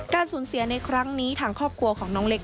สูญเสียในครั้งนี้ทางครอบครัวของน้องเล็ก